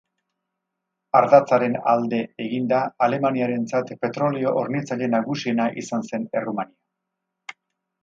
Ardatzaren alde eginda, Alemaniarentzat petrolio hornitzaile nagusiena izan zen Errumania.